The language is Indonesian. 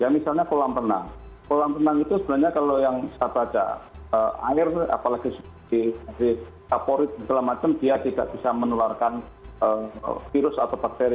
misalnya kolam renang kolam renang itu sebenarnya kalau yang saya baca air apalagi seperti kaporit segala macam dia tidak bisa menularkan virus atau bakteri